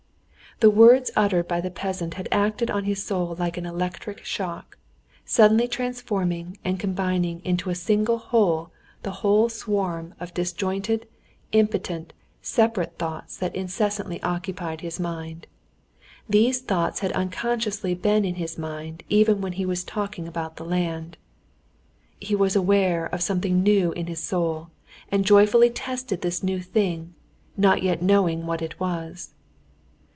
The words uttered by the peasant had acted on his soul like an electric shock, suddenly transforming and combining into a single whole the whole swarm of disjointed, impotent, separate thoughts that incessantly occupied his mind. These thoughts had unconsciously been in his mind even when he was talking about the land. He was aware of something new in his soul, and joyfully tested this new thing, not yet knowing what it was.